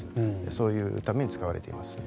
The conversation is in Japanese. そういうために使われています。